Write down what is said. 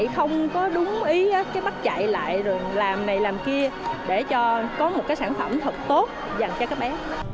không có đúng ý chí bắt chạy lại rồi làm này làm kia để cho có một sản phẩm thật tốt dành cho các bé